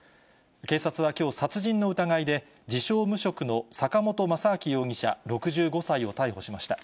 警察はきょう、殺人の疑いで、自称無職の坂本雅章容疑者６５歳を逮捕しました。